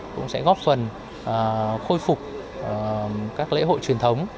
cũng sẽ góp phần khôi phục các lễ hội truyền thống